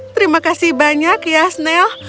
terima kasih banyak ya snel